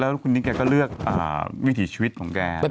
แล้วคุณนิกแกก็เลือกวิถีชีวิตของแก